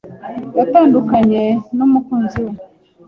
yatandukanye n'umukunzi we.